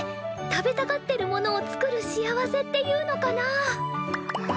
食べたがってるものを作る幸せっていうのかな。